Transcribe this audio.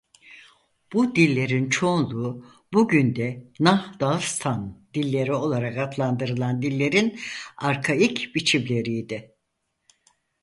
Bu dillerin çoğunluğu bugün de Nah-Dağıstan dilleri olarak adlandırılan dillerin arkaik biçimleriydi.